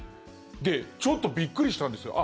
で、ちょっとびっくりしたんですよ。